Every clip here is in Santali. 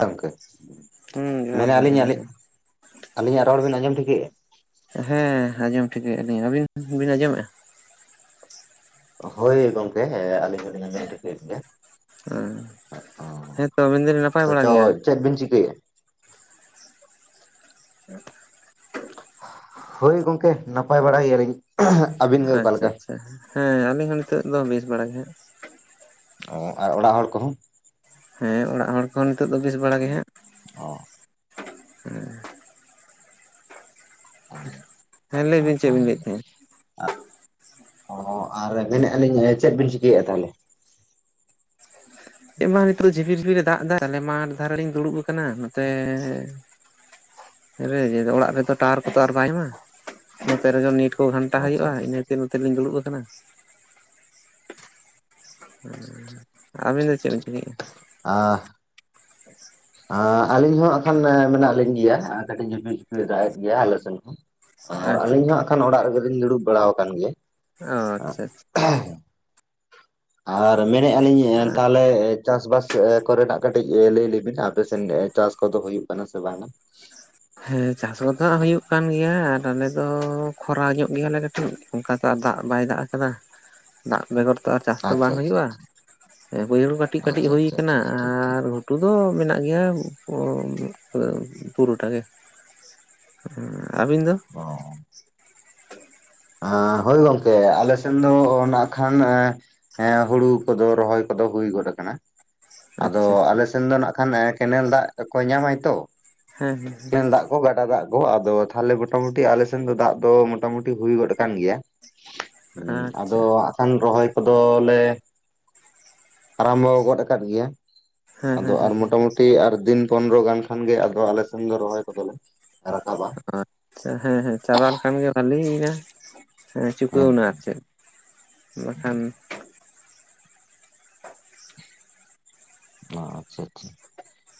ᱜᱚᱝᱠᱮ ᱦᱩᱸ [unintelligible] ᱡᱚᱦᱟᱨ ᱢᱮᱱᱟᱜ ᱜᱮ ᱟᱹᱞᱤᱜ [unintelligible] ᱡᱚᱦᱟᱨ ᱜᱮ᱾ ᱟᱞᱤᱧᱟᱜ ᱨᱚᱲ ᱵᱤᱱ ᱟᱸᱡᱚᱢ ᱴᱷᱤᱠᱟᱹᱮᱜᱼᱟ ᱾ ᱦᱮᱸ ᱟᱸᱡᱚᱢ ᱴᱷᱤᱠᱟᱹ ᱟᱞᱤᱧ ᱾ ᱟᱹᱵᱤᱱ ᱵᱤᱱ ᱟᱸᱡᱚᱢᱮᱜᱼᱟ? ᱦᱚᱭ ᱜᱚᱝᱠᱮ ᱟᱹᱞᱤᱧ ᱦᱚᱸ ᱞᱤᱧ ᱟᱸᱡᱚᱢ ᱴᱷᱤᱠᱟᱹᱮᱫ ᱜᱮᱭᱟ ᱾ ᱚᱸ [unintelligible] ᱦᱮᱸᱛᱚ ᱟᱵᱤᱱ ᱫᱚ ᱵᱤᱱ ᱱᱟᱯᱟᱭ ᱵᱟᱲᱟ ᱜᱮᱭᱟ? ᱪᱮᱜ ᱵᱤᱱ ᱪᱤᱠᱟᱹᱭᱟ? [unintelligible] [unintelligible] ᱦᱚᱭ ᱜᱚᱝᱠᱮ ᱱᱟᱯᱟᱭ ᱵᱟᱲᱟᱭ ᱜᱮᱭᱟ ᱞᱤᱧ ᱾ ᱟᱪᱪᱷᱟ ᱟᱪᱪᱷᱟ ᱦᱮᱸ ᱟᱹᱞᱤᱧ ᱦᱚᱸ ᱱᱤᱛᱚᱜ ᱫᱚ ᱵᱮᱥ ᱵᱟᱲᱟ ᱜᱮ ᱦᱟᱜ ᱾ ᱚ ᱟᱨ ᱚᱲᱟᱜ ᱦᱚᱲ ᱠᱚᱦᱚᱸ? ᱦᱮᱸ ᱚᱲᱟᱜ ᱦᱚᱲ ᱠᱚᱦᱚᱸ ᱱᱤᱛᱚᱜ ᱫᱚ ᱵᱮᱥ ᱵᱟᱲᱟ ᱜᱮ ᱦᱟᱜ ᱾ ᱚᱻ [unintelligible] ᱦᱮᱸ ᱞᱮᱭ ᱵᱤᱱ ᱪᱮᱜ ᱱᱟᱯᱟᱭ ᱵᱤᱱ ᱞᱟᱹᱭᱮᱫ ᱛᱟᱦᱮᱸᱫ? ᱚᱸ ᱟᱨ ᱨᱮᱵᱮᱱ ᱱᱮᱜᱼᱮ ᱞᱤᱧ ᱪᱮᱜ ᱵᱤᱱ ᱪᱤᱠᱟᱹᱭᱮᱜᱼᱟ ᱛᱟᱦᱚᱞᱮ? ᱱᱚᱛᱮ ᱢᱟ ᱱᱤᱛᱚᱜ ᱡᱷᱤᱯᱤᱨ - ᱡᱷᱤᱯᱤᱨ ᱮ ᱫᱟᱜ ᱮᱫᱟ ᱛᱟᱦᱞᱮ [inaudible] ᱢᱟᱴ ᱫᱷᱟᱨᱮ ᱞᱤᱧ ᱫᱩᱲᱩᱵ ᱟᱠᱟᱱᱟ᱾ ᱱᱚᱛᱮᱻ [inaudible] ᱚᱲᱟᱜ ᱨᱮᱫᱚ ᱴᱟᱣᱟᱨ ᱠᱚᱫᱚ ᱟᱨ ᱵᱟᱭ ᱧᱟᱢ-ᱟ᱾ ᱱᱚᱛᱮ ᱨᱮᱜᱮ ᱱᱮᱴ ᱜᱷᱟᱱᱴᱟ ᱦᱚᱭᱚᱜᱼᱟ᱾ ᱟᱪᱪᱷᱟ ᱟᱪᱪᱷᱟ ᱤᱱᱟᱹᱛᱮ ᱱᱚᱛᱮ ᱞᱤᱧ ᱫᱩᱲᱩᱵ ᱠᱟᱱᱟ᱾ [unintelligible] ᱟᱵᱤᱱ ᱫᱚ ᱪᱮᱫ ᱵᱮᱱ ᱪᱤᱠᱟᱹᱭ ᱮᱫᱭᱟ? ᱟ [unintelligible] ᱟᱻ ᱟᱹᱞᱤᱧ ᱦᱚᱸ ᱟᱠᱷᱟᱱ ᱢᱮᱱᱟᱜ ᱞᱤᱧ ᱜᱮᱭᱟ ᱾ ᱟᱨ ᱠᱟᱹᱴᱤᱡ ᱡᱷᱤᱯᱤᱨ-ᱡᱷᱤᱯᱤᱨ ᱫᱟᱜ ᱮᱫ ᱜᱮᱭᱟ ᱟᱞᱮ ᱥᱮᱱ ᱦᱚᱸ᱾ ᱟᱨ ᱟᱪᱪᱷᱟ ᱟᱞᱤᱧ ᱦᱚᱸ ᱟᱠᱷᱟᱱ ᱚᱲᱟᱜ ᱨᱮᱜᱮ ᱞᱤᱧ ᱫᱩᱲᱩᱵ ᱵᱟᱲᱟ ᱟᱠᱟᱱ ᱜᱮᱭᱟ᱾ ᱚ ᱟᱪᱪᱷᱟ-ᱟᱪᱪᱷᱟ ᱟᱨ ᱢᱮᱱᱮᱫᱼᱟ ᱞᱤᱧ ᱛᱟᱦᱚᱞᱮ ᱪᱟᱥ-ᱵᱟᱥ ᱠᱚ ᱨᱮᱱᱟᱜ ᱠᱟᱹᱴᱤᱡ ᱞᱟᱹᱭ ᱞᱮ ᱵᱤᱱ ᱾ ᱟᱯᱮᱥᱮᱱ ᱪᱟᱥ ᱠᱚᱫᱚ ᱦᱩᱭᱩᱜ ᱠᱟᱱᱟ ᱥᱮ ᱵᱟᱝ ᱟ? ᱦᱮᱸ ᱪᱟᱥ ᱠᱚᱫᱚ ᱦᱩᱭᱩᱜ ᱠᱟᱱ ᱜᱮᱭᱟ ᱟᱨ ᱟᱞᱮ ᱫᱚ ᱠᱷᱚᱨᱟ ᱧᱚᱜ ᱜᱮᱭᱟᱞᱮ ᱠᱟᱹᱴᱤᱡ᱾ ᱚᱱᱠᱟ ᱛᱚ ᱟᱨ ᱫᱟᱜ ᱵᱟᱭ ᱫᱟᱜ ᱠᱟᱫᱟ ᱾ ᱫᱟᱜ ᱵᱮᱜᱚᱨ ᱛᱚ ᱟᱨ ᱪᱟᱥ ᱛᱚ ᱟᱪᱪᱷᱟ ᱵᱟᱝ ᱟᱪᱪᱷᱟ ᱦᱚᱭᱚᱜᱼᱟ᱾ [unintelligible] ᱵᱟᱹᱭᱦᱟᱹᱲ ᱠᱟᱴᱤᱡ- ᱠᱟᱴᱤᱡ ᱟᱪᱪᱷᱟ ᱦᱚᱭ ᱟᱪᱪᱷᱟ ᱠᱟᱱᱟ ᱟᱪᱪᱷᱟ ᱴᱷᱤᱠ ᱴᱷᱤᱠ ᱟᱨ ᱜᱷᱩᱴᱩ ᱫᱚ ᱢᱮᱱᱟᱜ ᱜᱮᱭᱟ [unintelligible] ᱯᱩᱨᱟᱹᱴᱟ ᱜᱮ᱾ [unintelligible] ᱟᱵᱤᱱ ᱫᱚ? ᱚᱻ ᱦᱚᱭ ᱜᱚᱝᱠᱮ, ᱟᱞᱮ ᱥᱮᱱ ᱫᱚ ᱱᱟᱜ ᱠᱷᱟᱱ ᱦᱮᱸ ᱦᱩᱲᱩ ᱠᱚᱫᱚ ᱨᱚᱦᱚᱭ ᱠᱚᱫᱚ ᱦᱩᱭ ᱜᱚᱫ ᱠᱟᱱᱟ᱾ ᱟᱫᱚ ᱟᱪᱪᱷᱟ ᱟᱪᱪᱷᱟ ᱟᱞᱮ ᱥᱮᱱ ᱫᱚ ᱱᱟᱜ ᱠᱷᱟᱱ ᱠᱮᱱᱮᱞ ᱫᱟᱜ ᱠᱚ ᱧᱟᱢᱟᱭ ᱛᱚ᱾ ᱦᱮᱸ ᱦᱮᱸ ᱦᱮᱸ ᱠᱮᱱᱮᱞ ᱫᱟᱜ ᱠᱚ, ᱜᱟᱰᱟ ᱫᱟᱜ ᱠᱚ ᱾ ᱟᱫᱚ ᱛᱟᱦᱚᱞᱮ ᱢᱚᱴᱟ-ᱢᱩᱴᱤ ᱟᱞᱮ ᱥᱮᱱ ᱫᱚ ᱫᱟᱜ ᱫᱚ ᱢᱚᱴᱟ-ᱢᱩᱴᱤ ᱦᱩᱭ ᱜᱚᱫ ᱠᱟᱱ ᱜᱮᱭᱟ᱾ [unintelligible] ᱚᱸ ᱟᱫᱚ ᱟᱪᱪᱷᱟ ᱠᱷᱟᱱ ᱨᱚᱦᱚᱭ ᱠᱚᱫᱚᱞᱮ ᱟᱨᱟᱢᱵᱷᱚ ᱜᱚᱫ ᱠᱟᱫ ᱜᱮᱭᱟ᱾ ᱦᱮᱸ ᱟᱫᱚ ᱦᱮᱸ ᱟᱨ ᱦᱮᱸ ᱦᱮᱸ ᱢᱚᱴᱟ ᱢᱩᱴᱤ ᱟᱨ ᱫᱤᱱ ᱯᱚᱱᱨᱚ ᱜᱟᱱ ᱠᱷᱟᱱ ᱜᱮ ᱟᱫᱚ ᱟᱞᱮ ᱥᱮᱱ ᱫᱚ ᱨᱚᱦᱚᱭ ᱠᱚᱫᱚᱞᱮ ᱨᱟᱠᱟᱵᱟ᱾ [unintelligible] ᱦᱮᱸ ᱦᱮᱸ ᱪᱟᱵᱟ ᱞᱮᱠᱷᱟᱱ ᱜᱮ ᱵᱷᱟᱞᱤ ᱮᱱᱟ᱾ ᱦᱮᱸ ᱪᱩᱠᱟᱹᱣ ᱱᱟ ᱟᱨ ᱪᱮᱫ, ᱵᱟᱠᱷᱟᱱ ᱚ ᱟᱪᱪᱷᱟ ᱟᱪᱪᱷᱟ᱾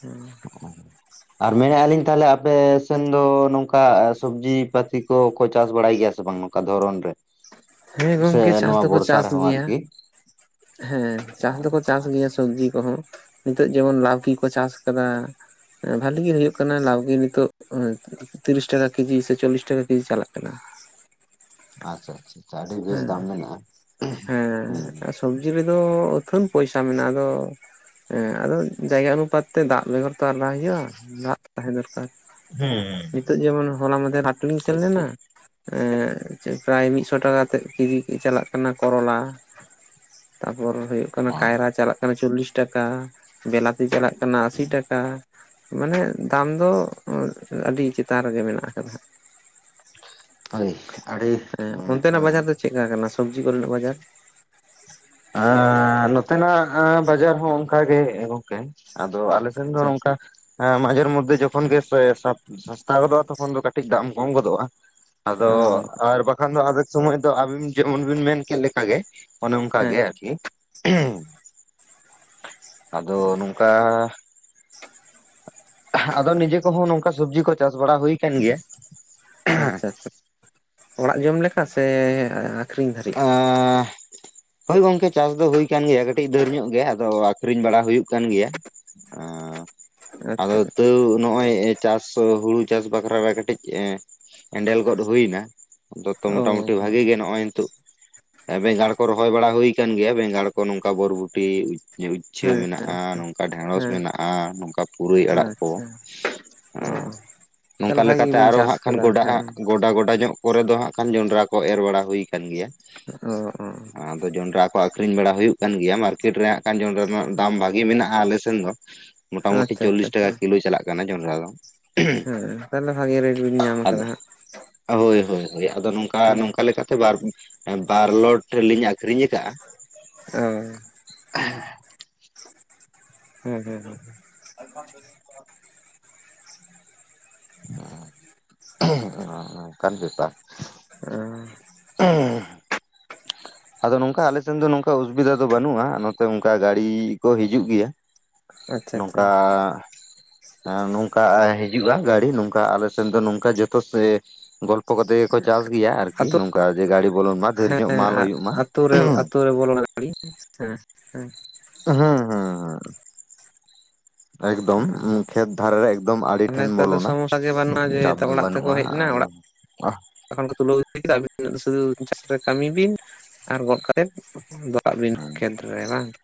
ᱦᱮᱸ [inaudible] ᱟᱨ ᱢᱮᱱ ᱮᱫᱼᱟ ᱞᱤᱧ ᱛᱟᱦᱚᱞᱮ ᱟᱯᱮ ᱥᱮᱱ ᱫᱚ, ᱱᱚᱝᱠᱟ ᱥᱚᱵᱡᱤ ᱯᱟᱹᱛᱤ ᱠᱚᱠᱚ ᱪᱟᱥ ᱵᱟᱲᱟᱭ ᱜᱮᱭᱟ ᱥᱮ ᱵᱟᱝ᱾ ᱚᱠᱟ ᱫᱷᱚᱨᱚᱱ ᱨᱮ᱾ ᱦᱮᱸ ᱜᱚᱝᱠᱮ, ᱥᱮ ᱪᱟᱥ ᱱᱚᱣᱟ ᱫᱚᱠᱚ ᱵᱚᱨᱥᱟ ᱪᱟᱥ ᱨᱮᱦᱚᱸ ᱜᱮᱭᱟ᱾ ᱟᱨᱠᱤ ᱦᱮᱸ, ᱚ ᱪᱟᱥ ᱫᱚᱠᱚ ᱪᱟᱥ ᱟᱪᱪᱷᱟ ᱜᱮᱭᱟ ᱥᱚᱵᱡᱤ ᱠᱚᱦᱚᱸ᱾ ᱱᱤᱛᱚᱜ ᱡᱮᱢᱚᱱ ᱞᱟᱹᱣᱠᱤ ᱠᱚ ᱪᱟᱥ ᱠᱟᱫᱟ ᱾ ᱵᱷᱟᱞᱤ ᱜᱮ ᱦᱳᱭᱳᱜ ᱠᱟᱱᱟ ᱞᱟᱹᱣᱠᱤ ᱱᱤᱛᱚᱜ ᱛᱤᱨᱤᱥ ᱴᱟᱠᱟ ᱠᱮᱡᱤ ᱥᱮ ᱪᱚᱞᱞᱤᱥ ᱴᱟᱠᱟ ᱠᱮᱡᱤ ᱪᱟᱞᱟᱜ ᱠᱟᱱᱟ᱾ ᱟᱪᱪᱷᱟ ᱟᱪᱪᱷᱟ, ᱟᱰᱤ ᱵᱮᱥ ᱦᱮᱸ ᱫᱟᱢ ᱢᱮᱱᱟᱜᱼᱟ᱾ ᱦᱩᱸ ᱥᱚᱵᱡᱤ ᱨᱮᱫᱚ ᱟᱹᱛᱷᱟᱹᱱ ᱯᱚᱭᱥᱟ ᱢᱮᱱᱟᱜᱼᱟ᱾ ᱟᱫᱚ ᱦᱮᱸ ᱟᱫᱚ ᱡᱟᱭᱜᱟ ᱚᱱᱩᱯᱟᱛ ᱛᱮ ᱫᱟᱜ ᱵᱮᱜᱚᱨ ᱛᱚ ᱟᱨ ᱵᱟᱭ ᱦᱳᱭᱳᱜᱼᱟ ᱟᱸᱜ ᱛᱟᱦᱮᱸ ᱫᱚᱨᱠᱟᱨ ᱦᱮᱸ ᱦᱮᱸ ᱾ ᱱᱤᱛᱚᱜ ᱡᱮᱢᱚᱱ ᱦᱚᱞᱟ ᱢᱟᱫᱷᱮᱨ ᱦᱟᱴ ᱤᱧ ᱥᱮᱱ ᱴᱷᱤᱠ ᱞᱮᱱᱟ ᱴᱷᱤᱠ ᱮᱸ ᱪᱮᱫ ᱠᱟᱭ ᱢᱤᱫᱥᱚ ᱴᱟᱠᱟ ᱛᱮᱫ [inaudible] ᱠᱤᱡᱤ ᱪᱟᱞᱟᱜ ᱠᱟᱱᱟ ᱠᱚᱨᱚᱞᱟ ᱾ ᱛᱟᱯᱚᱨ ᱦᱳᱭᱳᱜ ᱚᱱᱟ ᱠᱟᱭᱨᱟ ᱪᱟᱞᱟᱜ ᱠᱟᱱᱟ ᱪᱚᱞᱞᱤᱥ ᱴᱟᱠᱟ ᱾ ᱵᱤᱞᱟᱛᱤ ᱪᱟᱞᱟᱜ ᱠᱟᱱᱟ ᱟᱥᱤ ᱴᱟᱠᱟ᱾ ᱢᱟᱱᱮ ᱫᱟᱢ ᱫᱚ ᱟᱰᱤ ᱪᱮᱛᱟᱱ ᱨᱮᱜᱮ ᱢᱮᱱᱟᱜ ᱟᱠᱟᱫᱟ᱾ ᱦᱳᱭ ᱟᱰᱤ [inaudible] ᱪᱮᱫ ᱠᱟ ᱠᱟᱱᱟ ᱥᱚᱵᱡᱤ ᱠᱚ ᱨᱮᱱᱟᱜ ᱵᱟᱡᱟᱨ? ᱟᱨ ᱱᱚᱛᱮ ᱱᱟᱜ ᱵᱟᱡᱟᱨ ᱦᱚᱸ ᱚᱱᱠᱟ ᱜᱮ ᱜᱚᱝᱠᱮ ᱾ ᱟᱫᱚ ᱟᱞᱮ ᱥᱮᱱ ᱫᱚ ᱟᱪᱪᱷᱟ ᱟᱪᱪᱷᱟ ᱱᱚᱝᱠᱟ ᱦᱮᱸ ᱢᱟᱡᱷᱮᱨ ᱢᱚᱫᱽᱫᱷᱮ ᱡᱚᱠᱷᱚᱱ ᱜᱮ ᱥᱟᱥᱛᱟ ᱜᱚᱫᱚᱜᱼᱟ ᱾ ᱛᱚᱠᱷᱚᱱ ᱫᱚ ᱠᱟᱴᱤᱡ ᱫᱟᱢ ᱠᱚᱢ ᱜᱚᱫᱚᱜᱼᱟ᱾ ᱟᱫᱚ ᱚ ᱟᱨ ᱵᱟᱠᱷᱟᱱ ᱫᱚ ᱟᱫᱷᱮᱠ ᱥᱚᱢᱚᱭ ᱫᱚ, ᱟᱵᱤᱱ ᱡᱮᱢᱚᱱ ᱵᱤᱱ ᱢᱮᱱ ᱠᱮᱫ ᱞᱮᱠᱟ ᱜᱮ᱾ ᱚᱝᱠᱟ ᱦᱮᱸ ᱜᱮ ᱟᱨᱠ [inaudible] ᱟᱫᱚ ᱱᱚᱝᱠᱟ [inaudible] ᱟᱫᱚ ᱱᱤᱡᱮ ᱠᱚᱦᱚᱸ ᱱᱚᱝᱠᱟ ᱥᱚᱵᱽᱡᱤ ᱠᱚ ᱪᱟᱥ ᱵᱟᱲᱟ ᱦᱩᱭ ᱠᱟᱱ ᱜᱮᱭᱟ ᱟᱪᱪᱷᱟ ᱟᱪᱪᱷᱟ ᱚᱲᱟᱜ ᱡᱚᱢ ᱞᱮᱠᱟ ᱥᱮ ᱟᱠᱷᱨᱤᱧ ᱫᱷᱟᱹᱨᱤᱡ ᱟᱻ [inaudible] ᱦᱳᱭ ᱜᱚᱝᱠᱮ ᱪᱟᱥ ᱫᱚ ᱦᱩᱭᱠᱟᱱ ᱜᱮᱭᱟ ᱠᱟᱹᱴᱤᱡ ᱫᱟᱹᱨ ᱧᱚᱜ ᱜᱮ ᱟᱫᱚ ᱟᱠᱷᱨᱤᱧ ᱵᱟᱲᱟ ᱦᱩᱭᱩᱜ ᱠᱟᱱ ᱜᱮᱭᱟ ᱚᱻ ᱟᱫᱚ ᱟᱪᱪᱷᱟ ᱛᱟᱹᱣ ᱱᱚᱜᱼᱚᱭ ᱪᱟᱥ ᱦᱩᱲᱩ ᱪᱟᱥ ᱵᱟᱠᱷᱨᱟ ᱨᱮ ᱠᱟᱹᱴᱤᱡ ᱮᱸ ᱮᱸᱰᱮᱞ ᱜᱚᱫ ᱦᱩᱭᱮᱱᱟ ᱟᱫᱚ ᱛᱚ ᱚ ᱢᱚᱴᱟᱢᱩᱴᱤ ᱵᱷᱟᱜᱤ ᱜᱮ ᱱᱚᱜᱼᱚᱭ ᱱᱤᱛᱚᱜ ᱵᱮᱸᱜᱟᱲ ᱠᱚ ᱨᱚᱦᱚᱭ ᱵᱟᱲᱟ ᱦᱩᱭ ᱠᱟᱱ ᱜᱮᱭᱟ ᱵᱮᱸᱜᱟᱲ ᱠᱚ ᱱᱚᱝᱠᱟ ᱵᱚᱨᱵᱩᱴᱤ [unintelligible] ᱪᱷᱟᱹ ᱦᱮᱸ ᱦᱮᱸ ᱢᱮᱱᱟᱜᱼᱟ ᱱᱚᱝᱠᱟ ᱰᱷᱮᱸᱲᱚᱥ ᱦᱮᱸ ᱢᱮᱱᱟᱜᱼᱟ ᱱᱚᱝᱠᱟ ᱯᱩᱨᱟᱹᱭ ᱟᱲᱟᱜ ᱠᱚ ᱟᱪᱪᱷᱟ ᱚ ᱚᱸ ᱱᱚᱝᱠᱟ ᱛᱟᱦᱚᱞᱮ ᱵᱷᱟᱜᱤ ᱞᱮᱠᱟᱛᱮ ᱜᱮᱵᱤᱱ ᱟᱨᱚ ᱪᱟᱥ ᱦᱟᱸᱜ ᱠᱷᱟᱱ ᱠᱟᱫᱟ ᱜᱚᱰᱟᱜᱼᱟ ᱦᱮᱸ ᱜᱚᱰᱟ ᱜᱚᱰᱟ ᱧᱚᱜ ᱯᱚᱨᱮ ᱫᱚ ᱦᱟᱸᱜ ᱠᱷᱟᱱ ᱡᱚᱸᱰᱨᱟ ᱠᱚ ᱮᱨ ᱵᱟᱲᱟ ᱦᱩᱭ ᱠᱟᱱ ᱜᱮᱭᱟ [unintelligible] ᱟᱫᱚ ᱡᱚᱸᱰᱨᱟ ᱠᱚ ᱟᱹᱠᱷᱨᱤᱧ ᱵᱟᱲᱟ ᱦᱩᱭᱩᱜ ᱠᱟᱱ ᱜᱮᱭᱟ ᱢᱟᱨᱠᱮᱴ ᱨᱮ ᱦᱟᱸᱜ ᱠᱟᱱ ᱡᱚᱸᱰᱨᱟ ᱨᱮᱱᱟᱜ ᱫᱟᱢ ᱵᱷᱟᱜᱤ ᱢᱮᱱᱟᱜᱼᱟ ᱟᱞᱮᱥᱮᱱ ᱫᱚ ᱢᱚᱴᱟᱢᱩᱴᱤ ᱟᱪᱪᱷᱟ ᱟᱪᱪᱷᱟ ᱪᱚᱞᱞᱤᱥ ᱟᱪᱪᱷᱟ ᱴᱟᱠᱟ ᱠᱤᱞᱳ ᱪᱟᱞᱟᱜ ᱠᱟᱱᱟ ᱡᱚᱸᱰᱨᱟ ᱫᱚ ᱦᱮᱸ ᱛᱟᱞᱦᱮ ᱵᱷᱟᱜᱮ ᱨᱮᱴ ᱵᱤᱱ ᱧᱟᱢ ᱟᱫᱚ ᱠᱟᱫᱟ ᱦᱟᱸᱜ ᱦᱳᱭ ᱦᱳᱭ ᱦᱳᱭ ᱟᱫᱚ ᱱᱚᱝᱠᱟ ᱚ ᱱᱚᱝᱠᱟ ᱞᱮᱠᱟᱛᱮ ᱵᱟᱨ ᱵᱟᱨᱞᱚᱴ ᱞᱤᱧ ᱟᱠᱷᱨᱤᱧ ᱠᱟᱜᱼᱟ ᱚᱻ [unintelligible] ᱦᱩᱸ ᱦᱩᱸ ᱦᱩᱸ ᱦᱩᱸ [unintelligible] ᱚᱻ [unintelligible] ᱚᱝᱠᱟᱱ ᱵᱮᱯᱟᱨ ᱾ ᱚ ᱟᱫᱚ ᱱᱚᱝᱠᱟ ᱟᱞᱮᱥᱮᱱ ᱫᱚ ᱱᱚᱝᱠᱟ ᱚᱥᱩᱵᱤᱫᱷᱟ ᱫᱚ ᱵᱟᱹᱱᱩᱜᱼᱟ, ᱱᱚᱛᱮ ᱚᱝᱠᱟ ᱜᱟᱲᱤ ᱠᱚ ᱦᱤᱡᱩᱜ ᱜᱮᱭᱟ ᱾ ᱟᱪᱪᱷᱟ ᱟᱪᱪᱷᱟ ᱱᱚᱝᱠᱟᱻ ᱟᱻ ᱱᱚᱝᱠᱟ ᱦᱤᱡᱩᱜᱼᱟ ᱜᱟᱹᱲᱤ ᱱᱚᱝᱠᱟ ᱟᱞᱮ ᱥᱮᱱ ᱫᱚ ᱱᱚᱝᱠᱟ ᱡᱚᱛᱚ ᱥᱮᱼᱼ ᱜᱚᱞᱯᱚ ᱠᱟᱛᱮ ᱜᱮᱠᱚ ᱪᱟᱥ ᱜᱮᱭᱟ ᱟᱨᱠᱤ ᱟᱛᱳ ᱱᱚᱝᱠᱟ ᱡᱮ ᱜᱟᱹᱲᱤ ᱵᱚᱞᱚᱱ ᱢᱟ ᱫᱷᱮᱨ ᱧᱚᱜ ᱢᱟᱞ ᱦᱩᱭᱩᱜᱼᱼ ᱟᱛᱳ ᱨᱮ ᱟᱛᱳ ᱨᱮ ᱵᱚᱞᱚᱱᱟ ᱜᱟᱲᱤ ᱦᱮᱸ ᱦᱮᱸ ᱾ ᱦᱩᱸ ᱦᱩᱸ ᱦᱩᱸ ᱾ ᱮᱠᱫᱚᱢ ᱠᱷᱮᱛ ᱫᱷᱟᱨᱮ ᱨᱮ ᱮᱠᱫᱚᱢ ᱟᱹᱲᱤ ᱛᱟᱦᱚᱞᱮ ᱴᱷᱮᱱ ᱱᱮᱛᱟᱨ ᱫᱚ ᱵᱚᱞᱚᱱᱟ, ᱥᱚᱢᱚᱥᱥᱟ ᱜᱮ ᱵᱟᱹᱱᱩᱜᱼᱟ ᱡᱮ ᱪᱟᱯ ᱫᱚ ᱵᱟᱹᱱᱩᱜᱼᱟ ᱟᱫᱚᱼᱼ [unintelligible] ᱛᱚᱠᱷᱚᱱ ᱠᱚ ᱛᱩᱞᱟᱹᱣ ᱤᱫᱤ ᱠᱮᱫᱟ ᱟᱵᱤᱱ ᱫᱚ ᱥᱩᱫᱩ ᱪᱟᱥ ᱨᱮ ᱠᱟᱹᱢᱤ ᱵᱤᱱ ᱟᱨ ᱜᱚᱫ ᱠᱟᱛᱮᱫ ᱫᱚᱼᱼ ᱠᱟᱜ ᱵᱤᱱ ᱠᱷᱮᱛ ᱨᱮ ᱵᱟᱝ ᱾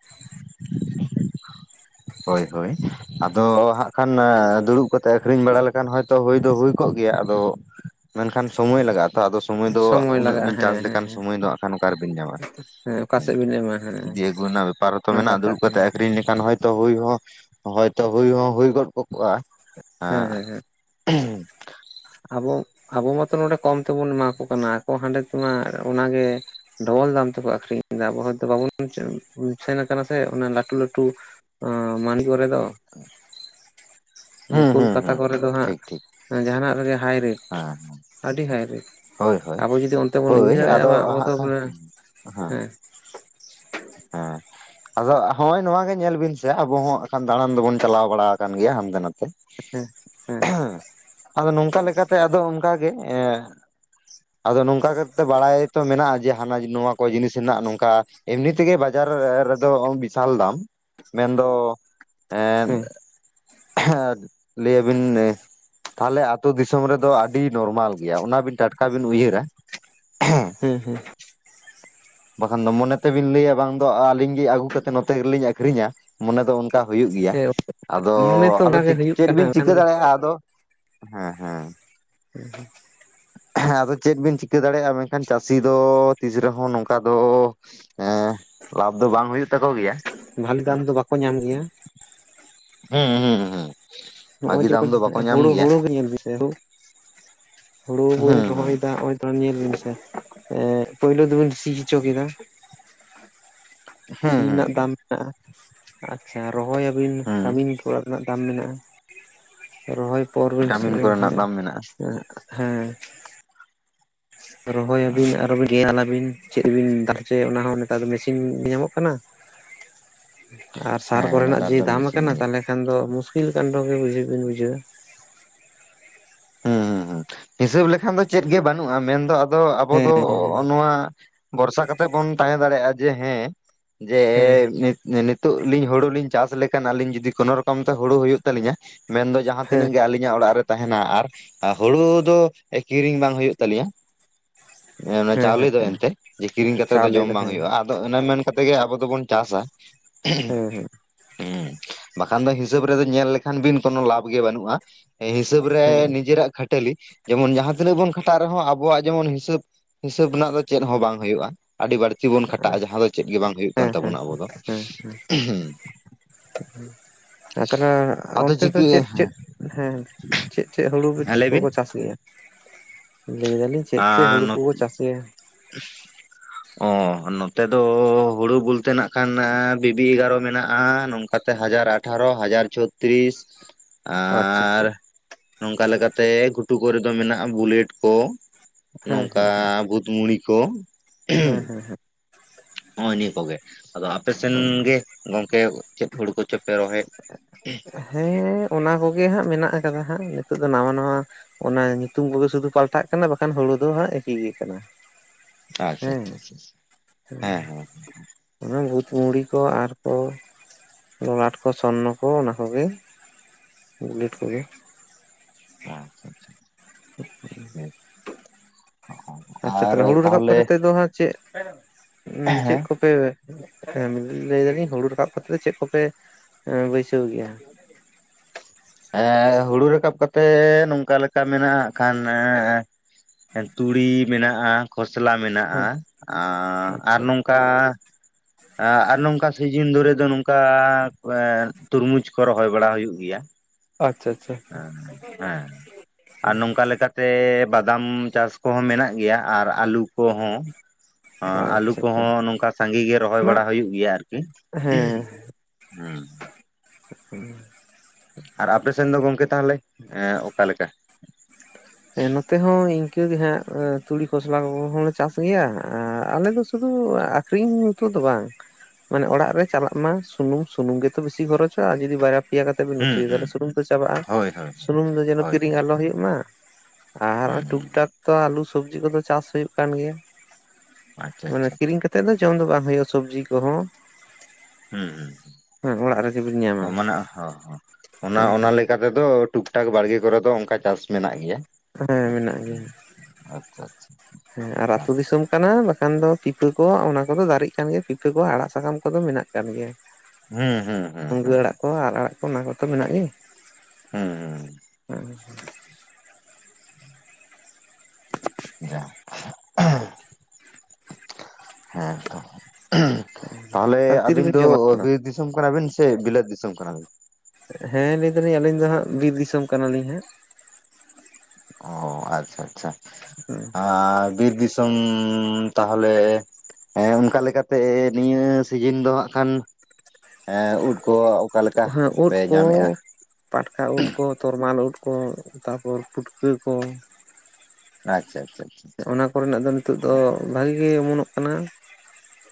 ᱦᱳᱭ ᱦᱳᱭ ᱾ ᱟᱫᱚ ᱦᱟᱸᱜ ᱠᱷᱟᱱ ᱫᱩᱲᱩᱵ ᱠᱟᱛᱮᱜ ᱟᱠᱷᱨᱤᱧ ᱵᱟᱲᱟ ᱞᱮᱠᱷᱟᱱ ᱦᱚᱭᱛᱚ ᱦᱩᱭ ᱫᱚ ᱦᱩᱭ ᱠᱚᱜ ᱜᱮᱭᱟ, ᱟᱫᱚᱼᱼ ᱢᱮᱱᱠᱷᱟᱱ ᱥᱚᱢᱚᱭ ᱞᱟᱜᱟᱜᱼᱟ ᱛᱚ ᱟᱫᱚᱼᱼ ᱥᱚᱢᱚᱭ ᱫᱚ ᱩᱱᱟᱹᱜ ᱞᱟᱜᱟᱜᱼᱟ ᱵᱤᱱ ᱦᱮᱸ ᱪᱟᱥ ᱦᱮᱸ ᱞᱮᱠᱷᱟᱱ ᱦᱮᱸ ᱥᱚᱢᱚᱭ ᱫᱚ ᱦᱟᱸᱜ ᱠᱷᱟᱱ ᱚᱠᱟ ᱨᱮᱵᱤᱱ ᱧᱟᱢᱟ, ᱦᱮᱸ ᱚᱠᱟ ᱦᱩᱸ ᱥᱮᱫ ᱵᱤᱱ ᱮᱢᱟ ᱦᱮᱸ ᱤᱫᱤ ᱟᱹᱜᱩ ᱨᱮᱱᱟᱜ ᱵᱮᱼᱼ ᱯᱟᱨ ᱦᱚᱛᱚ ᱚᱱᱟ ᱢᱮᱱᱟᱜᱼᱟ ᱠᱟᱛᱷᱟ ᱫᱩᱲᱩᱵ ᱠᱟᱱᱟ ᱠᱟᱛᱮᱜ ᱟᱠᱷᱨᱤᱧ ᱞᱮᱠᱷᱟᱱ ᱦᱳᱭᱼᱼ ᱛᱚ ᱦᱩᱭ ᱦᱚᱸ ᱦᱚᱭᱛᱚ ᱦᱩᱭ ᱦᱚᱸ ᱦᱩᱭ ᱜᱚᱫ ᱠᱚ ᱠᱚᱜᱼᱟ ᱦᱮᱸ ᱦᱮᱸ ᱦᱮᱸ ᱾ ᱟᱵᱚ ᱟᱵᱚ ᱢᱟᱛᱚ ᱱᱚᱰᱮ ᱠᱚᱢ ᱛᱮᱵᱚᱱ ᱮᱢᱟᱠᱚ ᱠᱟᱱᱟ ᱟᱠᱚ ᱦᱟᱸᱰᱮ ᱛᱮᱢᱟ ᱚᱱᱟᱜᱮᱼᱼ ᱰᱚᱵᱚᱞ ᱫᱟᱢ ᱛᱮᱠᱚ ᱟᱠᱷᱨᱤᱧ ᱮᱫᱟ, ᱟᱵᱚ ᱦᱚᱭᱛᱚ ᱵᱟᱵᱚᱱ [unintelligible] ᱥᱮᱱ ᱠᱟᱱᱟ ᱥᱮ ᱚᱱᱟ ᱞᱟᱹᱴᱩ ᱞᱟᱹᱴᱩᱼᱼ ᱚᱸᱻ ᱢᱟᱰᱤ ᱠᱚᱨᱮ ᱫᱚ ᱾ [unintelligible] ᱦᱩᱸ ᱦᱩᱸ ᱠᱳᱞᱠᱟᱛᱟ ᱦᱩᱸ ᱠᱚᱨᱮ ᱫᱚ ᱦᱟᱸᱜ ᱡᱟᱦᱟᱱᱟᱜ ᱨᱮᱜᱮ ᱦᱟᱭ ᱨᱮᱹᱴ ᱾ ᱟ ᱦᱩᱸ ᱾ ᱟᱹᱰᱤ ᱦᱟᱭ ᱨᱮᱴ ᱟᱵᱚ ᱡᱩᱫᱤ ᱚᱱᱛᱮ ᱵᱚᱱ ᱤᱫᱤ ᱦᱳᱭ ᱫᱟᱲᱮᱭᱟᱜᱼᱟ ᱟᱫᱚ ᱵᱟ ᱟᱵᱚ ᱫᱚ ᱦᱟᱸᱜ ᱠᱷᱟᱱ ᱢᱟᱱᱮ ᱦᱮᱸ ᱦᱮᱸᱼᱼ ᱦᱮᱸ ᱾ ᱟᱫᱚ ᱱᱚᱜᱼᱚᱭ ᱱᱚᱣᱟ ᱜᱮ ᱧᱮᱞ ᱵᱤᱱ ᱥᱮ ᱟᱵᱚ ᱦᱚᱸᱜ ᱠᱷᱟᱱ ᱫᱟᱬᱟᱱ ᱫᱚᱵᱚᱱ ᱪᱟᱞᱟᱣ ᱵᱟᱲᱟ ᱟᱠᱟᱱ ᱜᱮᱭᱟ ᱦᱟᱱᱛᱮ ᱱᱟᱛᱮ ᱾ ᱦᱮᱸ ᱦᱮᱸ ᱾ ᱟᱫᱚ ᱱᱚᱝᱠᱟ ᱞᱮᱠᱟᱛᱮ ᱟᱫᱚ ᱚᱱᱠᱟ ᱜᱮ ᱮᱻ ᱟᱫᱚ ᱱᱚᱝᱠᱟ ᱠᱟᱛᱮ ᱵᱟᱲᱟᱭ ᱛᱚ ᱢᱮᱱᱟᱜᱼᱟ ᱡᱮ ᱦᱟᱱᱟ ᱱᱚᱣᱟ ᱠᱚ ᱡᱤᱱᱤᱥ ᱨᱮᱱᱟᱜ ᱱᱚᱝᱠᱟᱼᱼ ᱮᱢᱱᱤ ᱛᱮᱜᱮ ᱵᱟᱡᱟᱨᱻ ᱨᱮᱫᱚ ᱵᱤᱥᱟᱞ ᱫᱟᱢ ᱢᱮᱱᱫᱚ ᱮᱸᱼᱼ ᱦᱮᱸ [unintelligible] ᱞᱟᱹᱭ ᱟᱵᱤᱱᱼᱼ ᱛᱟᱦᱞᱮ ᱟᱛᱳ ᱫᱤᱥᱚᱢ ᱨᱮᱫᱚ ᱟᱹᱰᱤ ᱱᱚᱨᱢᱟᱞ ᱜᱮᱭᱟ ᱚᱱᱟ ᱵᱤᱱ ᱴᱟᱴᱠᱟ ᱵᱤᱱ ᱩᱭᱦᱟᱹᱨᱟ᱾ ᱦᱮᱸ ᱦᱮᱸ ᱾ ᱵᱟᱠᱷᱟᱱ ᱫᱚ ᱢᱚᱱᱮ ᱛᱮᱵᱤᱱ ᱞᱟᱹᱭᱟ ᱵᱟᱝ ᱫᱚ ᱟᱹᱞᱤᱧ ᱜᱮ ᱟᱹᱜᱩ ᱠᱟᱛᱮᱫ ᱱᱚᱛᱮ ᱨᱮᱞᱤᱧ ᱟᱠᱷᱨᱤᱧᱟ᱾ ᱢᱚᱱᱮ ᱫᱚ ᱚᱱᱠᱟ ᱦᱩᱭᱩᱜ ᱜᱮᱭᱟ᱾ ᱦᱮᱸ ᱟᱫᱚᱻ ᱢᱚᱱᱮ ᱛᱚ ᱟᱫᱚ ᱚᱱᱠᱟ ᱜᱮ ᱦᱩᱭᱩᱜ ᱪᱮᱫ ᱠᱟᱱᱟ ᱵᱤᱱ ᱢᱮᱱᱠᱷᱟᱱ ᱪᱤᱠᱟᱹ ᱫᱟᱲᱮᱭᱟᱜᱼᱟ ᱟᱫᱚ? ᱦᱮᱸ ᱦᱮᱸ ᱾ [unintelligible] ᱦᱮᱸ ᱟᱫᱚ ᱪᱮᱫ ᱵᱤᱱ ᱪᱤᱠᱟᱹ ᱫᱟᱲᱮᱭᱟᱜᱼᱟ? ᱢᱮᱱᱠᱷᱟᱱ ᱪᱟᱹᱥᱤ ᱫᱚᱻ ᱛᱤᱥ ᱨᱮᱦᱚᱸ ᱱᱚᱝᱠᱟ ᱫᱚᱻ ᱦᱮᱸ ᱞᱟᱵᱷ ᱫᱚ ᱵᱟᱝ ᱦᱩᱭᱩᱜ ᱛᱟᱠᱚ ᱜᱮᱭᱟ᱾ ᱵᱷᱟᱞᱤ ᱫᱟᱢ ᱫᱚ ᱵᱟᱠᱚ ᱧᱟᱢ ᱜᱮᱭᱟ ᱾ ᱦᱩᱸ ᱦᱩᱸ ᱦᱩᱸ ᱾ ᱱᱚᱜᱼᱚᱭ ᱡᱮᱢᱚᱱ ᱦᱩᱲᱩ ᱦᱩᱲᱩ ᱜᱮ ᱧᱮᱞ ᱢᱮᱥᱮ ᱦᱩᱲᱩ ᱼᱼ ᱦᱩᱲᱩ ᱵᱤᱱ ᱦᱩᱸ ᱦᱩᱸ ᱨᱚᱦᱚᱭᱮᱫᱟ ᱱᱚᱜ ᱚᱭ ᱛᱚ ᱧᱮᱞ ᱵᱤᱱ ᱥᱮ ᱮᱸ ᱯᱳᱭᱞᱳ ᱫᱚ ᱵᱤᱱ ᱥᱤ ᱦᱚᱪᱚ ᱠᱮᱫᱟᱼᱼ ᱦᱩᱸ ᱥᱤ ᱦᱩᱸ ᱨᱮᱱᱟᱜ ᱫᱟᱢ ᱢᱮᱱᱟᱜᱼᱟ ᱾ ᱟᱪᱪᱷᱟ ᱨᱚᱦᱚᱭ ᱟᱹᱵᱤᱱ ᱦᱩᱸ ᱠᱟᱹᱢᱤᱱ ᱠᱚ ᱨᱮᱱᱟᱜ ᱫᱟᱢ ᱢᱮᱱᱟᱜᱼᱟ ᱾ ᱨᱚᱦᱚᱭ ᱯᱚᱨ ᱵᱤᱱ ᱠᱟᱹᱢᱤᱱ ᱠᱚᱨᱮᱱᱟᱜ ᱫᱟᱢ ᱢᱮᱱᱟᱜᱼᱟ [unintelligible] ᱦᱮᱸ ᱾ ᱨᱚᱦᱚᱭ ᱟᱹᱵᱤᱱ ᱟᱨᱚ ᱵᱤᱱ [unintelligible] ᱟᱹᱵᱤᱱ ᱾ ᱪᱮᱫ ᱨᱮᱵᱤᱱ ᱫᱟᱞ ᱦᱚᱪᱚᱭᱟ ᱚᱱᱟ ᱦᱚ ᱱᱮᱛᱟᱨ ᱫᱚ ᱢᱮᱥᱤᱱ ᱧᱟᱢᱚᱜ ᱠᱟᱱᱟ ᱾ ᱟᱨ ᱥᱟᱨ ᱠᱚ ᱦᱮᱸ ᱨᱮᱱᱟᱜ ᱱᱮᱛᱟᱨ ᱡᱮ ᱫᱚ ᱫᱟᱢ ᱢᱮᱥᱤᱱ ᱟᱠᱟᱱᱟ, ᱜᱮ ᱛᱟᱦᱞᱮ ᱠᱷᱟᱱ ᱫᱚ ᱢᱩᱥᱠᱤᱞ ᱠᱟᱱᱰᱚ ᱜᱮ ᱵᱩᱡ ᱵᱤᱱ ᱵᱩᱡᱷᱟᱹᱣᱟ ᱾ ᱦᱩᱸ ᱦᱩᱸ ᱦᱩᱸ ᱦᱤᱥᱟᱹᱵ ᱞᱮᱠᱷᱟᱱ ᱫᱚ ᱪᱮᱫ ᱜᱮ ᱵᱟᱹᱱᱩᱜᱼᱟ ᱢᱮᱱᱫᱚ ᱟᱫᱚ ᱟᱵᱚ ᱫᱚ ᱦᱮᱸ ᱱᱚᱜᱚ ᱱᱚᱣᱟ ᱵᱷᱚᱨᱥᱟ ᱠᱟᱛᱮᱜ ᱵᱚᱱ ᱛᱟᱦᱮᱸ ᱫᱟᱲᱮᱭᱟᱜᱼᱟ ᱡᱮ ᱦᱮᱸ ᱡᱮ ᱦᱮᱸ ᱱᱤᱛᱚᱜ ᱞᱤᱧ ᱦᱩᱲᱩ ᱞᱤᱧ ᱪᱟᱥ ᱞᱮᱠᱷᱟᱱ ᱟᱞᱤᱧ ᱡᱩᱫᱤ ᱠᱳᱱᱳ ᱨᱚᱠᱚᱢ ᱛᱮ ᱦᱩᱲᱩᱳ ᱦᱩᱭᱩᱜ ᱛᱟᱞᱞᱤᱧᱟ, ᱢᱮᱱᱫᱚ ᱡᱟᱦᱟᱸ ᱦᱮᱸ ᱛᱤᱱᱟᱹᱜ ᱜᱮ ᱟᱹᱞᱤᱧᱟᱜ ᱚᱲᱟᱜ ᱨᱮ ᱛᱟᱦᱮᱱᱟ ᱟᱨ ᱟᱨ ᱦᱩᱲᱩ ᱫᱚ ᱠᱤᱨᱤᱧ ᱵᱟᱝ ᱦᱩᱭᱩᱜ ᱛᱟᱞᱮᱭᱟ᱾ ᱚᱱᱮ ᱦᱮᱸ ᱪᱟᱣᱞᱮ ᱫᱚ ᱮᱱᱛᱮᱜ ᱠᱤᱨᱤᱧ ᱠᱟᱛᱮᱜ ᱫᱚ ᱪᱟᱣᱞᱮ ᱡᱚᱢ ᱵᱟᱝ ᱦᱮᱸ ᱦᱩᱭᱩᱜᱼᱟ᱾ ᱟᱫᱚ ᱤᱱᱟᱹ ᱢᱮᱱ ᱠᱟᱛᱮᱫ ᱜᱮ ᱟᱵᱚ ᱫᱚᱵᱚᱱ ᱪᱟᱥᱟ᱾ ᱦᱮᱸ ᱦᱮᱸ ᱵᱟᱠᱷᱟᱱ ᱫᱚ ᱦᱤᱥᱟᱹᱵ ᱨᱮᱫᱚ ᱧᱮᱞ ᱞᱮᱠᱷᱟᱱ ᱵᱤᱱ ᱠᱳᱱᱳ ᱞᱟᱵᱷ ᱜᱮ ᱵᱟᱹᱱᱩᱜᱼᱟ᱾ ᱦᱤᱥᱟᱹᱵ ᱨᱮ ᱦᱮᱸ ᱱᱤᱡᱮᱨᱟᱜ ᱠᱷᱟᱹᱴᱟᱹᱞᱤ ᱡᱮᱢᱚᱱ ᱡᱟᱦᱟᱸ ᱛᱤᱱᱟᱹᱜ ᱵᱚᱱ ᱠᱷᱟᱴᱟᱜ ᱨᱮᱦᱚᱸ ᱟᱵᱚᱣᱟᱜ ᱡᱮᱢᱚᱱ ᱦᱤᱥᱟᱹᱵ ᱦᱤᱥᱟᱹᱵ ᱨᱮᱱᱟᱜ ᱫᱚ ᱪᱮᱫ ᱦᱚᱸ ᱵᱟᱝ ᱦᱩᱭᱩᱜᱼᱟ, ᱟᱹᱰᱤ ᱵᱟᱹᱲ ᱛᱤ ᱵᱚᱱ ᱠᱷᱟᱴᱟᱜᱼᱟ, ᱡᱟᱦᱟᱸ ᱫᱚ ᱪᱮᱫ ᱜᱮ ᱵᱟᱝ ᱦᱩᱭᱩᱜ ᱦᱮᱸ ᱠᱟᱱ ᱦᱮᱸ ᱦᱮᱸ ᱛᱟᱵᱚᱱᱟ ᱟᱵᱚ ᱫᱚ, ᱦᱮᱸ ᱟᱨ ᱛᱟᱦᱞᱮ ᱟᱫᱚ ᱚᱱᱛᱮ ᱫᱚ ᱪᱮᱫ ᱪᱤᱠᱟᱹ ᱪᱮᱫ ᱦᱮᱸ ᱪᱮᱫ ᱪᱮᱫ ᱦᱳᱲᱩ ᱦᱮᱸ ᱞᱟᱹᱭ ᱵᱤᱱ ᱠᱚᱠᱚ ᱪᱟᱥ ᱜᱮᱭᱟ? ᱞᱟᱹᱭ ᱫᱟᱞᱤᱧ ᱪᱮᱫ ᱟᱻ ᱪᱮᱫ ᱦᱩᱲᱩ ᱱᱚᱛ ᱠᱚᱠᱚ ᱪᱟᱥ ᱜᱮᱭᱟ ᱚ ᱱᱚᱛᱮ ᱫᱚ ᱦᱩᱲᱩ ᱵᱚᱞᱛᱮ ᱱᱟᱜ ᱠᱷᱟᱱ ᱵᱤᱵᱤ ᱮᱜᱟᱨᱚ ᱢᱮᱱᱟᱜᱼᱟ ᱱᱚᱝ ᱠᱟᱛᱮ ᱦᱟᱡᱟᱨ ᱟᱴᱷᱟᱨᱚ, ᱦᱟᱡᱟᱨ ᱪᱷᱚᱛᱨᱤᱥ, ᱾ ᱟᱪᱪᱷᱟ ᱟᱨ ᱟᱪᱪᱷᱟ ᱱᱚᱝᱠᱟ ᱞᱮᱠᱟᱛᱮ ᱜᱷᱩᱴᱩ ᱠᱚᱨᱮ ᱫᱚ ᱢᱮᱱᱟᱜᱼᱟ ᱵᱩᱞᱮᱴ ᱠᱚ᱾ ᱦᱮᱸ ᱱᱚᱝᱠᱟ ᱵᱷᱩᱛ ᱢᱩᱲᱤ ᱠᱚ᱾ ᱦᱮᱸ ᱦᱮᱸ ᱦᱮᱸ᱾ ᱱᱚᱜᱚᱭ ᱱᱤᱭᱟᱹ ᱠᱚᱜᱮ ᱟᱫᱚ ᱟᱯᱮᱥᱮᱱ ᱦᱮᱸ ᱜᱮ ᱜᱚᱝᱠᱮ ᱪᱮᱫ ᱦᱩᱲᱤ ᱠᱚᱪᱚ? ᱯᱮ ᱨᱚᱦᱚᱭᱮ᱾ ᱦᱮᱸ ᱚᱱᱟ ᱠᱚᱜᱮ ᱦᱟᱸᱜ ᱢᱮᱱᱟᱜ ᱟᱠᱟᱫᱟ ᱦᱟᱸᱜ ᱱᱤᱛᱳᱜ ᱫᱚ ᱱᱟᱣᱟ ᱱᱟᱣᱟ ᱚᱱᱟ ᱧᱩᱛᱩᱢ ᱠᱚᱜᱮ ᱥᱩᱫᱷᱩ ᱯᱟᱞᱴᱟᱜ ᱠᱟᱱᱟ ᱵᱟᱠᱷᱟᱱ ᱦᱩᱲᱩ ᱫᱚ ᱦᱟᱸᱜ ᱮᱠᱤᱭ ᱜᱮ ᱠᱟᱱᱟ᱾ ᱟᱪᱪᱷᱟ ᱦᱮᱸ ᱟᱪᱪᱷᱟ ᱦᱮᱸ ᱦᱮᱸ ᱦᱮᱸ᱾ ᱚᱱᱟ ᱵᱩᱛᱢᱩᱲᱤ ᱠᱚ ᱟᱨ ᱠᱚ ᱞᱚᱞᱟᱴ ᱠᱚ ᱥᱚᱨᱱᱚ ᱠᱚ ᱚᱱᱟ ᱠᱚᱜᱮ ᱵᱩᱞᱮᱴ ᱠᱚᱜᱮ, ᱟᱪᱪᱷᱟ ᱟᱪᱪᱷᱟ᱾ ᱟᱪᱪᱷᱟ ᱟᱨ ᱛᱟᱦᱞᱮ ᱦᱩᱲᱩ ᱨᱟᱠᱟᱵ ᱛᱟᱦᱚᱞᱮ ᱠᱚᱨᱛᱮ ᱫᱚ ᱦᱟᱸᱜ ᱪᱮᱫ [inaudible] ᱪᱮᱫ ᱦᱮᱸ ᱠᱚᱯᱮ ᱯᱷᱮᱢ ᱞᱟᱹᱭ ᱫᱟᱞᱤᱧ ᱦᱩᱲᱩ ᱨᱟᱠᱟᱵ ᱠᱟᱛᱮ ᱫᱚ ᱪᱮᱫ ᱠᱚᱯᱮ ᱵᱟᱹᱭᱥᱟᱹᱣ ᱜᱮᱭᱟ? ᱮ ᱦᱩᱲᱩ ᱨᱟᱠᱟᱵ ᱠᱟᱛᱮ ᱱᱚᱝᱠᱟ ᱞᱮᱠᱟ ᱢᱮᱱᱟᱜᱼᱟ ᱦᱟᱸᱜ ᱠᱷᱟᱱ ᱮᱸᱻ ᱛᱩᱲᱤ ᱢᱮᱱᱟᱜᱼᱟ, ᱠᱷᱚᱥᱞᱟ ᱢᱮᱱᱟᱜᱼᱟ, ᱦᱮᱸ ᱟᱻ ᱟᱨ ᱟᱪᱪᱷᱟ ᱱᱚᱝᱠᱟ ᱠᱟᱻ ᱟᱨ ᱱᱚᱝᱠᱟ ᱥᱤᱡᱤᱱ ᱫᱷᱚᱨᱮ ᱫᱚ ᱱᱚᱝᱠᱟ ᱟᱻ ᱮᱻ ᱛᱩᱨᱢᱩᱡᱽ ᱠᱚ ᱨᱚᱦᱚᱭ ᱵᱟᱲᱟ ᱦᱩᱭᱩᱜ ᱜᱮᱭᱟ ᱾ ᱟᱪᱪᱷᱟ ᱟᱪᱪᱷᱟ ᱾ ᱦᱚᱸ ᱦᱮᱸ ᱟᱨ ᱱᱚᱝᱠᱟ ᱞᱮᱠᱟ ᱛᱮᱻ ᱵᱟᱫᱟᱢ ᱪᱟᱥ ᱠᱚᱦᱚᱸ ᱢᱮᱱᱟᱜ ᱜᱮᱭᱟ ᱟᱨ ᱟᱞᱩ ᱠᱚᱦᱚᱸ ᱟᱸᱻ ᱟᱹᱞᱩ ᱟᱪᱪᱷᱟ ᱟᱪᱪᱷᱟ ᱠᱚᱦᱚᱸ ᱱᱚᱝᱠᱟ ᱥᱟᱸᱜᱮ ᱜᱮ ᱨᱚᱦᱚᱭ ᱢᱟ ᱵᱟᱲᱟ ᱦᱩᱭᱩᱜ ᱜᱮᱭᱟ ᱟᱨᱠᱤ ᱦᱮᱸ ᱦᱩᱸ᱾ [unintelligible] ᱟᱨ ᱟᱯᱮ ᱥᱮᱱ ᱫᱚ ᱜᱚᱢᱠᱮ ᱛᱟᱦᱚᱞᱮ ᱚᱠᱟ ᱞᱮᱠᱟ? ᱮᱸ ᱱᱚᱛᱮ ᱦᱚᱸ ᱤᱱᱠᱟᱹᱜᱮ ᱦᱟᱸᱜ ᱛᱩᱲᱤ ᱠᱷᱚᱥᱞᱟ ᱠᱚᱦᱚᱸᱞᱮ ᱪᱟᱥ ᱜᱮᱭᱟ, ᱟᱨ ᱟᱞᱮ ᱫᱚ ᱥᱩᱫᱩ ᱟᱠᱷᱨᱤᱧ ᱢᱚᱛᱚ ᱫᱚ ᱵᱟᱝ ᱾ ᱢᱟᱱᱮ ᱚᱲᱟᱜ ᱨᱮ ᱪᱟᱞᱟᱜ ᱢᱟ ᱥᱩᱱᱩᱢ ᱥᱩᱱᱩᱢ ᱜᱮᱛᱚ ᱵᱤᱥᱤ ᱠᱷᱚᱨᱚᱪᱚᱜ-ᱟ, ᱟᱨ ᱡᱩᱫᱤ ᱵᱟᱨᱭᱟ ᱯᱮᱭᱟ ᱠᱟᱛᱮ ᱵᱤᱱ ᱩᱛᱩ ᱦᱩᱸ ᱭᱮᱫᱟ ᱛᱟᱦᱚᱞᱮ ᱦᱩᱸ ᱥᱩᱱᱩᱢ ᱛᱚ ᱪᱟᱵᱟᱜᱼᱟ ᱦᱳᱭ ᱦᱳᱭ ᱾ᱥᱩᱱᱩᱢ ᱫᱚ ᱡᱮᱱᱚ ᱦᱳᱭ ᱦᱩᱸ ᱠᱤᱨᱤᱧ ᱟᱞᱚ ᱦᱩᱭᱩᱜ ᱢᱟ ᱾ ᱟᱨ ᱴᱩᱠ ᱦᱩᱸ ᱴᱟᱠ ᱟᱞᱩ ᱥᱚᱵᱽᱡᱤ ᱠᱚᱫᱚ ᱪᱟᱥ ᱦᱩᱭᱩᱜ ᱠᱟᱱ ᱜᱮᱭᱟ, ᱟᱪᱪᱷᱟ ᱢᱟᱱᱮ ᱟᱪᱪᱷᱟ ᱠᱤᱨᱤᱧ ᱠᱟᱛᱮ ᱛᱮᱫᱚ ᱡᱚᱢ ᱫᱚ ᱵᱟᱝ ᱦᱩᱭᱩᱜᱼᱟ ᱥᱚᱵᱽᱡᱤ ᱠᱚᱦᱚᱸ, ᱦᱩᱸ ᱦᱮᱸ ᱚᱲᱟᱜ ᱨᱮᱜᱮ ᱵᱤᱱ ᱧᱟᱢᱟ ᱦᱩᱸ ᱢᱟᱱᱮ ᱦᱚᱸ ᱦᱚᱸ ᱚᱱᱟ ᱦᱮᱸ ᱚᱱᱟ ᱞᱟᱹᱜᱤᱫ ᱛᱮᱫᱚ ᱴᱩᱠ ᱴᱟᱠ ᱵᱟᱲᱜᱮ ᱠᱚᱨᱮ ᱫᱚ ᱚᱱᱠᱟ ᱪᱟᱥ ᱢᱮᱱᱟᱜ ᱜᱮᱭᱟ ᱾ ᱦᱮᱸ ᱢᱮᱱᱟᱜ ᱜᱮᱭᱟ ᱟᱪᱪᱷᱟ ᱟᱪᱪᱷᱟ ᱾ ᱦᱮᱸ ᱟᱨ ᱟᱹᱛᱩ ᱫᱤᱥᱚᱢ ᱠᱟᱱᱟ ᱵᱟᱝᱠᱷᱟᱱ ᱫᱚ ᱯᱤᱯᱷᱟᱹ ᱠᱚ ᱚᱱᱟ ᱠᱚᱫᱚ ᱫᱟᱨᱮᱜ ᱠᱟᱱ ᱜᱮᱭᱟ ᱯᱤᱯᱷᱟᱹ ᱠᱚ ᱟᱲᱟᱜ ᱥᱟᱠᱟᱢ ᱠᱚᱫᱚ ᱢᱮᱱᱟᱜ ᱠᱟᱱ ᱜᱮᱭᱟ ᱾ ᱦᱩᱸ ᱦᱩᱸ ᱦᱩᱸ ᱢᱩᱱᱜᱟᱹ ᱦᱩᱸ ᱟᱲᱟᱜ ᱠᱚ ᱟᱨ ᱟᱲᱟᱜ ᱠᱚ ᱚᱱᱟ ᱠᱚᱛᱚ ᱢᱮᱱᱟᱜ ᱜᱮᱭᱟ ᱦᱩᱸ [unintelligible] [unintelligible] ᱮᱦ ᱛᱟᱦᱚᱞᱮ ᱟᱹᱵᱤᱱ ᱛᱤᱨᱮᱵᱤᱱ ᱫᱚ ᱡᱚᱢᱟ ᱵᱤᱨ ᱫᱤᱥᱚᱢ ᱠᱟᱱᱟ ᱵᱤᱱ ᱥᱮ ᱵᱤᱞᱟᱹᱛ ᱫᱤᱥᱚᱢ ᱠᱟᱱᱟ ᱵᱤᱱ? ᱦᱮᱸ ᱞᱟᱹᱭ ᱫᱟᱞᱤᱧ ᱟᱹᱞᱤᱧ ᱫᱚ ᱦᱟᱸᱜ ᱵᱤᱨ ᱫᱤᱥᱚᱢ ᱠᱟᱱᱟ ᱞᱤᱧ ᱦᱟᱸᱜ ᱾ ᱚ ᱟᱪᱪᱷᱟ ᱟᱪᱪᱷᱟ ᱾ [unintelligible] ᱟᱨ ᱵᱤᱨ ᱫᱤᱥᱚᱢ ᱛᱟᱦᱚᱞᱮ ᱦᱮᱸ ᱚᱱᱠᱟ ᱞᱮᱠᱟᱛᱮ ᱱᱤᱭᱟᱹ ᱥᱤᱡᱤᱱ ᱫᱚ ᱦᱟᱸᱜ ᱠᱷᱟᱱ ᱮᱸ ᱩᱫ ᱠᱚ ᱚᱠᱟ ᱞᱮᱠᱟᱜ ᱦᱮᱸ ᱩᱫ ᱯᱮ ᱧᱟᱢᱮᱜ-ᱟ? ᱠᱚ ᱯᱟᱴᱠᱟ ᱩᱫ ᱠᱚ ᱛᱚᱨᱢᱟᱞ ᱩᱫ ᱠᱚ ᱛᱟᱯᱚᱨ ᱯᱩᱴᱠᱟᱹ ᱠᱚ ᱾ ᱟᱪᱪᱷᱟ ᱟᱪᱪᱷᱟ ᱪᱷᱟ ᱾ ᱚᱱᱟ ᱠᱚᱨᱮ ᱱᱟᱜ ᱫᱚ ᱱᱤᱛᱚᱜ ᱫᱚ ᱵᱷᱟᱜᱤ ᱜᱮ ᱚᱢᱚ ᱱᱚᱜ ᱠᱟᱱᱟ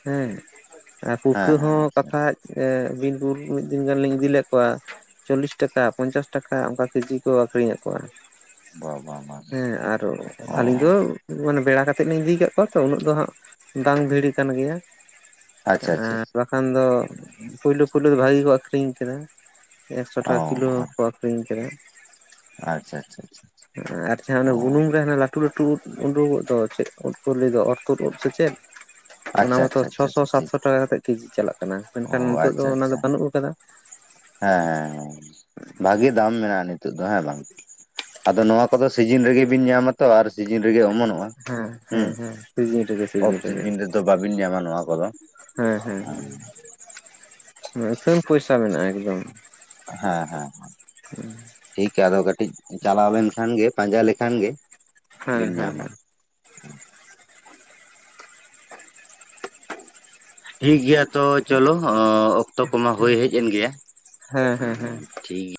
ᱦᱮᱸ ᱾ ᱟᱨ ᱯᱩᱴᱠᱟ. ᱦᱮᱸ ᱦᱚᱸ ᱟᱪᱪᱷᱟ ᱵᱟᱠᱷᱟᱡ ᱮ ᱵᱤᱱᱯᱩᱨ ᱢᱤᱫ ᱫᱤᱱ ᱜᱟᱱ ᱞᱤᱧ ᱤᱫᱤ ᱞᱮᱫ ᱠᱚᱣᱟ ᱾ ᱪᱚᱞᱞᱤᱥ ᱴᱟᱠᱟ ᱯᱚᱧᱪᱟᱥ ᱴᱟᱠᱟ ᱚᱝᱠᱟ ᱠᱮᱡᱤ ᱠᱚ ᱟᱠᱷᱨᱤᱧᱮᱜ ᱠᱚᱣᱟ ᱵᱟ ᱵᱟ ᱵᱟ ᱾ ᱦᱮᱸ ᱟᱨ ᱟᱹᱞᱤᱧ ᱚ ᱫᱚ ᱢᱟᱱᱮ ᱵᱮᱲᱟ ᱠᱟᱛᱮᱜ ᱞᱤᱧ ᱤᱫᱤ ᱠᱟᱜ ᱠᱚᱣᱟ ᱛᱚ ᱩᱱᱟᱹᱜ ᱫᱚ ᱦᱟᱸᱜ ᱵᱟᱝ ᱵᱷᱤᱲ ᱠᱟᱱ ᱜᱮᱭᱟ ᱾ ᱟᱪᱪᱷᱟ ᱟᱪᱪᱷᱟ ᱟᱨ ᱵᱟᱠᱷᱟᱱ ᱫᱚ ᱯᱳᱭᱞᱳ ᱯᱳᱭᱞᱳ ᱫᱚ ᱵᱷᱟᱜᱤ ᱜᱮᱠᱚ ᱟᱠᱷᱨᱤᱧ ᱠᱟᱱᱟ᱾ ᱮᱠᱥᱚ ᱴᱟᱠᱟ ᱚ ᱠᱤᱞᱳ ᱦᱚᱸᱠᱚ ᱟᱠᱷᱨᱤᱧ ᱠᱟᱫᱟ ᱾ ᱟᱪᱪᱷᱟ ᱟᱪᱪᱷᱟ ᱪᱷᱟ ᱾ ᱟᱨ ᱪᱮᱫ ᱚᱱᱟ ᱵᱩᱱᱩᱢ ᱨᱮ ᱦᱟᱱᱟ ᱞᱟ ᱞᱟᱹᱴᱷᱩ ᱞᱟᱹᱴᱷᱩ ᱩᱫ ᱳᱰᱳᱜᱚᱜ ᱫᱚ ᱪᱮᱫ ᱩᱫ ᱠᱚ ᱞᱟᱹᱭ ᱫᱚ ᱚᱨᱛᱳᱫ ᱩᱫ ᱥᱮ ᱪᱮᱫ? ᱚᱱᱟ ᱟᱪᱪᱷᱟ ᱢᱟᱛᱚ ᱟᱪᱪᱷᱟ ᱟᱪᱪᱷᱟ ᱪᱷᱚᱥᱚ ᱟᱪᱪᱷᱟ ᱴᱷᱤᱠ ᱥᱟᱛᱥᱚ ᱴᱟᱠᱟ ᱠᱟᱛᱮᱫ ᱠᱮᱡᱤ ᱪᱟᱞᱟᱜ ᱠᱟᱱᱟ ᱾ ᱢᱮᱱᱠᱷᱟᱱ ᱚ ᱱᱤᱛᱚᱜ ᱫᱚ ᱟᱪᱪᱷᱟ ᱚᱱᱟ ᱫᱚ ᱟᱪᱪᱷᱟ ᱵᱟᱹᱱᱩᱜ ᱠᱟᱫᱟ ᱾ ᱦᱮᱸ ᱦᱮᱸ ᱦᱮᱸ ᱵᱷᱟᱜᱮ ᱫᱟᱢ ᱢᱮᱱᱟᱜᱼᱟ ᱱᱤᱛᱚᱜ ᱫᱚ ᱦᱮᱸ ᱵᱟᱝ ᱟᱫᱚ ᱱᱚᱣᱟ ᱠᱚᱫᱚ ᱥᱤᱡᱤᱱ ᱨᱮᱜᱮᱵᱤᱱ ᱧᱟᱢᱟ ᱛᱚ ᱟᱨ ᱥᱤᱡᱤᱱ ᱨᱮᱜᱮ ᱚᱢᱚᱱᱚᱜᱼᱟ ᱦᱮᱸ ᱦᱮᱸ ᱦᱩᱸ ᱦᱮᱸ ᱥᱤᱡᱤᱱ ᱨᱮᱜᱮ ᱚᱯ ᱨᱮᱜᱮ ᱥᱤᱡᱤᱱ ᱨᱮᱫᱚ ᱵᱟᱵᱤᱱ ᱧᱟᱢᱟ ᱱᱚᱣᱟ ᱠᱚᱫᱚ ᱟᱹᱛᱷᱟᱱ ᱯᱚᱭᱥᱟ ᱢᱮᱱᱟᱜᱼᱟ ᱮᱠᱫᱚᱢ ᱦᱮ ᱦᱮ ᱦᱮ [unintelligible] ᱴᱷᱤᱠᱮᱭᱟ ᱟᱫᱚ ᱠᱟᱹᱴᱤᱡ ᱪᱟᱞᱟᱣ ᱞᱮᱱᱠᱷᱟᱱ ᱜᱮ ᱯᱟᱸᱡᱟ ᱞᱮᱠᱷᱟᱱ ᱜᱮ ᱦᱮᱸ ᱵᱤᱱ ᱦᱮᱸ ᱧᱟᱢᱟ ᱦᱮᱸ ᱴᱷᱤᱠ ᱜᱮᱭᱟ ᱛᱚ ᱪᱚᱞᱚ ᱚᱠᱛᱚ ᱠᱚᱢᱟ ᱦᱳᱭ ᱦᱮᱡ ᱮᱱ ᱜᱮᱭᱟ ᱦᱮᱸ ᱦᱮᱸ ᱦᱮᱸ ᱴᱷᱤᱠ ᱜᱮ